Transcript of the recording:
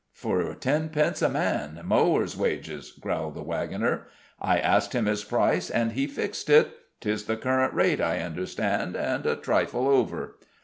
"For tenpence a man mowers' wages," growled the wagoner. "I asked him his price and he fixed it. 'Tis the current rate, I understand, and a trifle over."